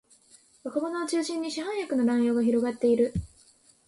若者を中心に市販薬の乱用が広がっている